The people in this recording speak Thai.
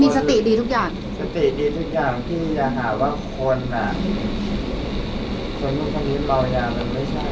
สติดีทุกอย่างที่จะหาว่าคนอ่ะคนนี้เบาอย่างมันไม่ใช่